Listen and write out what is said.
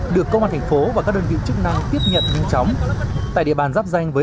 được công an thành phố và các đơn vị chức năng tiếp nhận nhanh chóng tại địa bàn giáp danh với